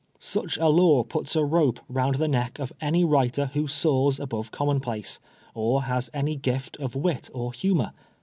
'' Such a law puts a rope round the neck of every writer who soars above commonplace, or has any gift of wit or humor.